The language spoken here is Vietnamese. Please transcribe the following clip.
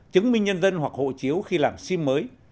chứng minh nhân dân hoặc hộ chiếu khi làm sim mới